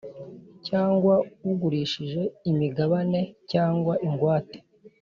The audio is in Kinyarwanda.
Cyangwa ugurishije imigabane cyangwa ingwate